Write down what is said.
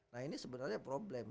nah ini sebenarnya problem